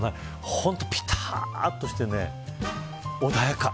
本当、ぴたーっとしていて穏やか。